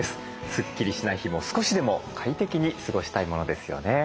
スッキリしない日も少しでも快適に過ごしたいものですよね。